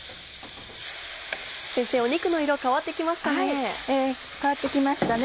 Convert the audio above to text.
先生肉の色変わって来ましたね。